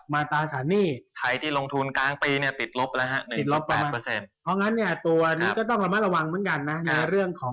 แล้วจะเป็นให้มีอีกอย่างหนึ่ง